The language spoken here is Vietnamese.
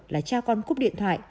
là cha con cúp điện thoại